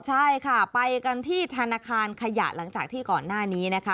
ใช่ค่ะไปกันที่ธนาคารขยะหลังจากที่ก่อนหน้านี้นะคะ